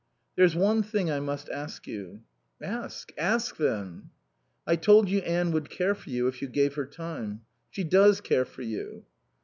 "There's one thing I must ask you " "Ask, ask, then." "I told you Anne would care for you if you gave her time. She does care for you."